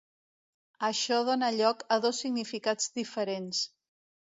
Això dóna lloc a dos significats diferents.